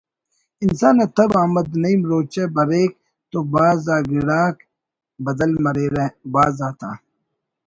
انسان نا تب احمد نعیم روچہ بریک تو بھاز آ گڑاک بدل مریرہ بھاز آتا